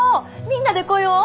みんなで来よう！